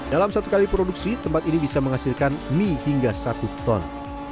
dalam satu kali produksi tempat ini bisa menghasilkan mie hingga satu ton